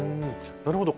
なるほど。